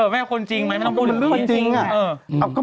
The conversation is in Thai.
แม่คนจรรย์ไหมไม่ต้องพูดอย่างนี้